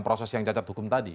proses yang cacat hukum tadi